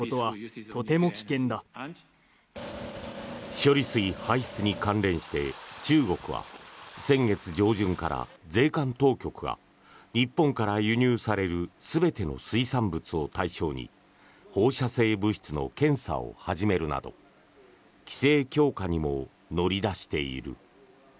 処理水排出に関連して中国は先月上旬から税関当局が日本から輸入される全ての水産物を対象に放射性物質の検査を始めるなど規制強化にも乗り出している。